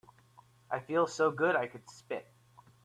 I feel so good I could spit.